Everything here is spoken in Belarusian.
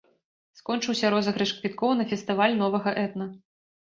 Скончыўся розыгрыш квіткоў на фестываль новага этна.